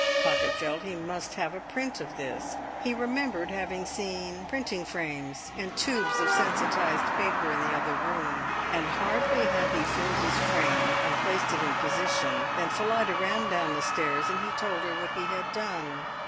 Pocket felt he must have a print of this; he remembered having seen printing frames and tubes of sensitised paper in the other room; and hardly had he filled his frame and placed it in position, than Phillida ran down stairs, and he told her what he had done.